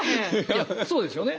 いやそうですよね。